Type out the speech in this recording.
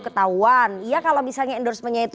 ketahuan ya kalau misalnya endorsementnya itu